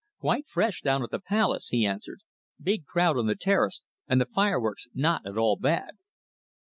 "Quite fresh down at the Palace," he answered. "Big crowd on the Terrace, and the fireworks not at all bad."